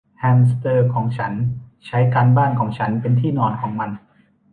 แฮมสเตอร์ของฉันใช้การบ้านของฉันเป็นที่นอนของมัน